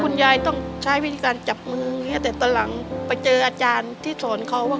เพราะคุณยายต้องใช้วิธีการจับมือตอนหลังคุณไปเจออาจารย์ที่สอนเขา